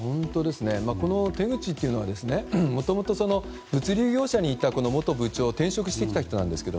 この手口というのはもともと物流業者にいた元部長転職してきた人なんですが。